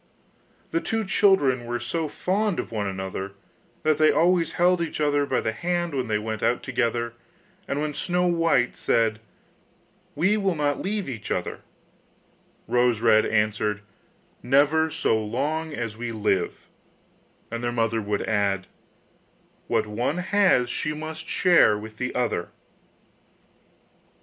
The two children were so fond of one another that they always held each other by the hand when they went out together, and when Snow white said: 'We will not leave each other,' Rose red answered: 'Never so long as we live,' and their mother would add: 'What one has she must share with the other.